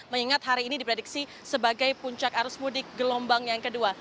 mengingat hari ini diprediksi sebagai puncak arus mudik gelombang yang kedua